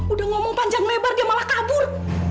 udah ngomong panjang lebar dia malah kabur